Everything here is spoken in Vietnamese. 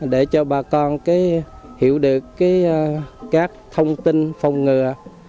để cho bà con hiểu được các thông tin phòng ngừa